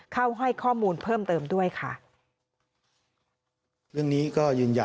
เข้าให้ข้อมูลเพิ่มเติมด้วยค่ะ